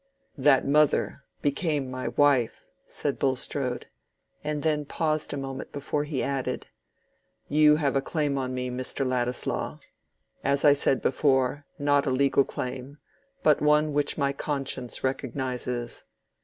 "That mother became my wife," said Bulstrode, and then paused a moment before he added, "you have a claim on me, Mr. Ladislaw: as I said before, not a legal claim, but one which my conscience recognizes.